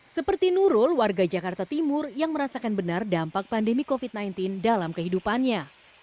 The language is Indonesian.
seperti nurul warga jakarta timur yang merasakan benar dampak pandemi covid sembilan belas dalam kehidupannya